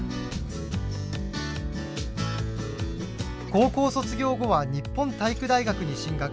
高校卒業後は日本体育大学に進学。